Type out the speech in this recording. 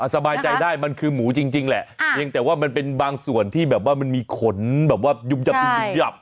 สบายใจได้มันคือหมูจริงแหละเนี่ยแต่ว่ามันเป็นบางส่วนที่แบบว่ามันมีขนแบบว่ายุ่มจับอยู่อย่างเดียว